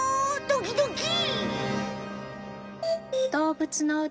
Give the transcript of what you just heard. ドキドキ！